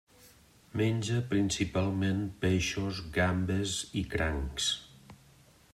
Menja principalment peixos, gambes i crancs.